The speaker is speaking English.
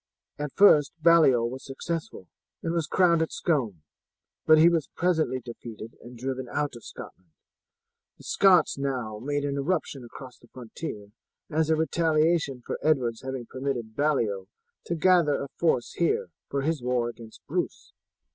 At first Baliol was successful, and was crowned at Scone, but he was presently defeated and driven out of Scotland. The Scots now made an eruption across the frontier as a retaliation for Edward's having permitted Baliol to gather a force here for his war against Bruce.